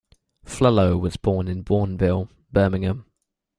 Flello was born in Bournville, Birmingham.